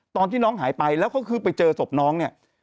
ตอนที่น้องหายไปแล้วก็คือไปเจอศพน้องเนี่ย